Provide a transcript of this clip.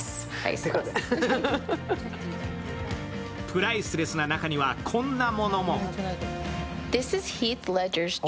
プライスレスな中にはこんなものも。